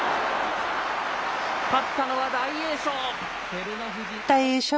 勝ったのは大栄翔。